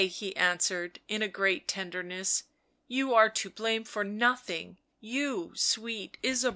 he answered, in a great tenderness. " You are to blame for nothing, you, sweet Ysabeau."